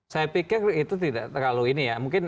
saya pikir itu tidak terlalu ini ya